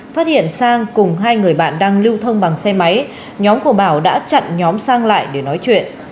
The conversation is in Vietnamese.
phát hiện sang cùng hai người bạn đang lưu thông bằng xe máy nhóm của bảo đã chặn nhóm sang lại để nói chuyện